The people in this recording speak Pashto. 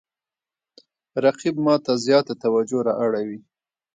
رقیب ما ته زیاته توجه را اړوي